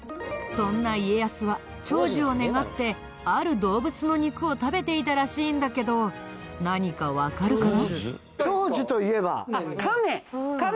そんな家康は長寿を願ってある動物の肉を食べていたらしいんだけど何かわかるかな？